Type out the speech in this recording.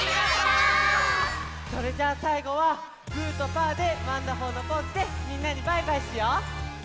それじゃあさいごはグーとパーでワンダホーのポーズでみんなにバイバイしよう！